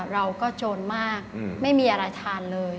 โจรมากไม่มีอะไรทานเลย